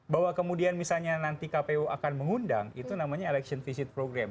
bahwa kemudian misalnya nanti kpu akan mengundang itu namanya election visit program